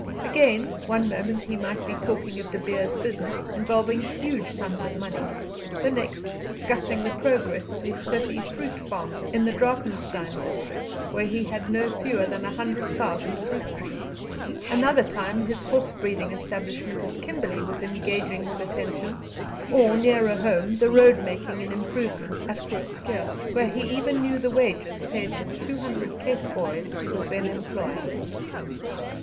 Again, one moment he might be talking of De Beers business, involving huge sums of money, the next discussing the progress of his thirty fruit farms in the Drakenstein district, where he had no fewer than 100,000 fruit trees; another time his horse breeding establishment at Kimberley was engaging his attention, or, nearer home, the road making and improvements at Groot Schuurr, where he even knew the wages paid to the 200 Cape boys he was then employing.